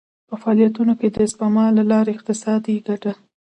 په فعالیتونو کې د سپما له لارې اقتصادي ګټه.